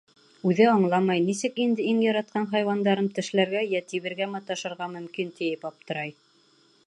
Үҙе аңламай, нисек инде иң яратҡан хайуандарым тешләргә йә тибергә маташырға мөмкин, тип аптырай.